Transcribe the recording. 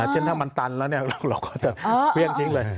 เช่นถ้ามันตันแล้วเราก็จะเครื่องทิ้งเลย